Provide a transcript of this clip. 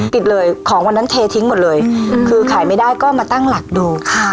ปิดเลยของวันนั้นเททิ้งหมดเลยคือขายไม่ได้ก็มาตั้งหลักดูค่ะ